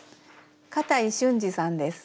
片井俊二さんです。